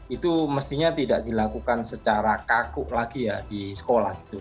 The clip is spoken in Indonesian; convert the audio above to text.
itu mestinya tidak dilakukan secara kaku lagi ya di sekolah gitu